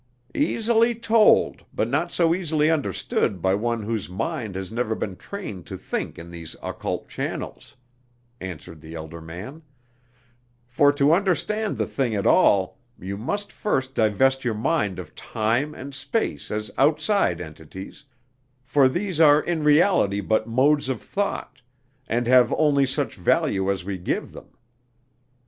"Easily told, but not so easily understood by one whose mind has never been trained to think in these occult channels," answered the elder man; "for to understand the thing at all, you must first divest your mind of time and space as outside entities, for these are in reality but modes of thought, and have only such value as we give them.